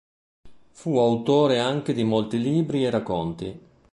Fu autore anche di molti libri e racconti.